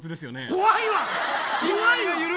怖いわ。